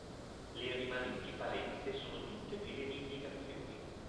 Le rimanenti palette sono tutte prive di indicazioni.